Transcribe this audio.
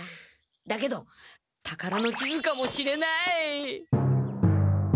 だけどたからの地図かもしれない！